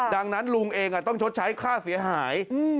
ดังนั้นลุงเองต้องชดใช้ค่าเสียหาย